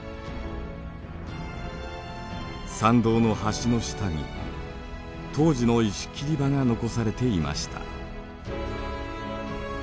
山道の橋の下に当時の石切り場が残されていました。